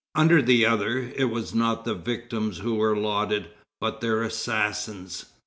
Under the other, it was not the victims who were lauded, but their assassins.